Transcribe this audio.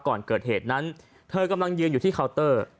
ก่อนเกิดเหตุนั้นเธอกำลังยืนอยู่ที่เคาน์เตอร์